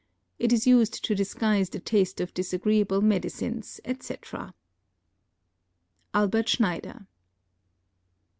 It is used to disguise the taste of disagreeable medicines, etc. Albert Schneider.